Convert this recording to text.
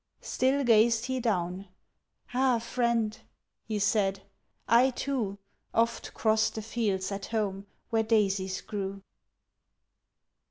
Still gazed he down. "Ah, friend," he said, "I, too, Oft crossed the fields at home where daisies grew."